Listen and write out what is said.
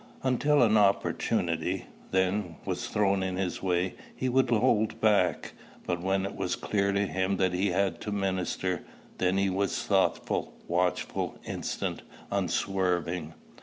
Until an opportunity, then, was thrown in his way, he would hold back; but when it was clear to him that he had to minister, then was he thoughtful, watchful, instant, unswerving.